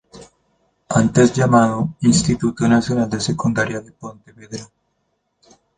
Antes llamado Instituto Nacional de Secundaria de Pontevedra.